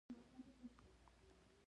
باید نابود کړل شي څو لار پرانېستل شي.